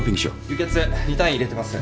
輸血２単位入れてます。